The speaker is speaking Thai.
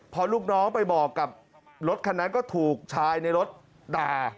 พอลูกน้องไปบอกกับรถคันนั้นก็ถูกชายในรถด่า